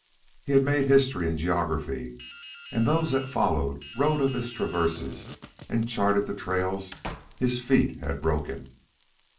He had made history and geography, and those that followed wrote of his traverses and charted the trails his feet had broken.